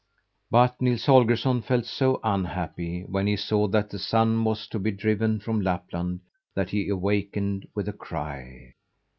But Nils Holgersson felt so unhappy when he saw that the Sun was to be driven from Lapland that he awakened with a cry.